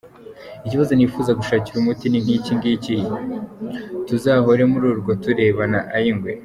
Ikibazo nifuza gushakira umuti ni ikingiki: Tuzahore muri urwo turebana ay’ingwe?